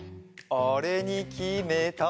あれにきめた。